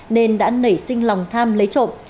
nên đã nảy sinh lòng tham lấy trộm